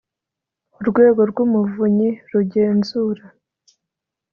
Urwego rw’Umuvunyi rugenzura.